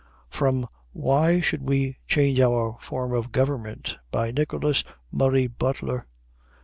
'" [From Why Should We Change Our Form of Government, by Nicholas Murray Butler.